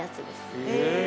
へえ。